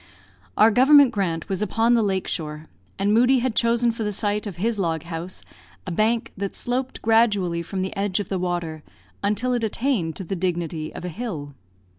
Our government grant was upon the lake shore, and Moodie had chosen for the site of his log house a bank that sloped gradually from the edge of the water, until it attained to the dignity of a hill.